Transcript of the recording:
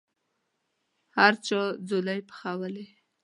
هر چا ځوالې پخولې.